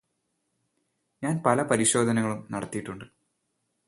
ഞാന് പല പരിശോധനകളും നടത്തിയിട്ടുണ്ട്